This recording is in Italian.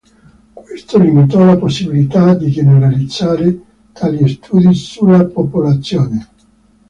Questo limitò la possibilità di generalizzare tali studi sulla popolazione.